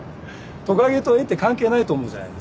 トカゲと絵って関係ないと思うじゃないですか。